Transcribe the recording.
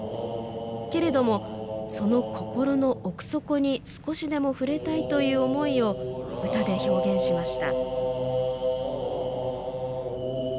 けれども、その心の奥底に少しでも触れたいという思いを歌で表現しました。